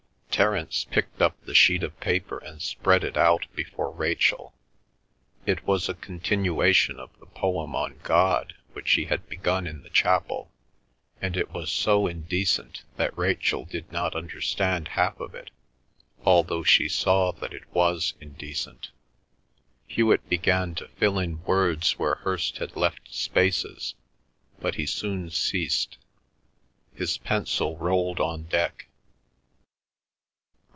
Terence picked up the sheet of paper and spread it out before Rachel. It was a continuation of the poem on God which he had begun in the chapel, and it was so indecent that Rachel did not understand half of it although she saw that it was indecent. Hewet began to fill in words where Hirst had left spaces, but he soon ceased; his pencil rolled on deck.